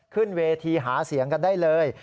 ขึ้นเวทีหาเสียงกันได้เลย